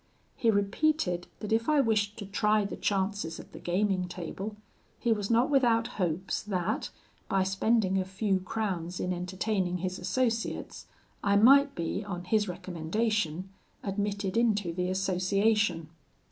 He repeated, that if I wished to try the chances of the gaming table, he was not without hopes that, by spending a few crowns in entertaining his associates, I might be, on his recommendation, admitted into the association.